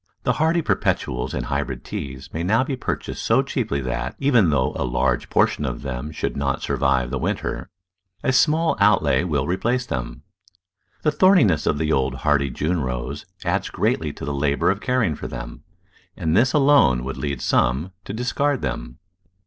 The hardy perpetuals and hybrid Teas may now be purchased so cheaply that, even though a large proportion of them should not survive the winter, a small outlay will replace them. The thorniness of the old hardy June Rose adds greatly to the labour of caring for them, and this alone would lead some to discard them.